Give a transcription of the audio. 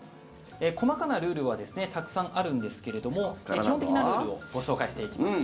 細かなルールはたくさんあるんですけれども基本的なルールをご紹介していきます。